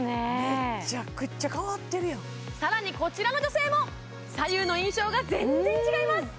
メチャクチャ変わってるやんさらにこちらの女性も左右の印象が全然違います